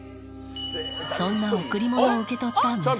そんな贈り物を受け取った息子さんは。